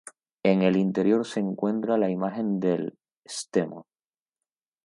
En el interior se encuentra la imagen del Stmo.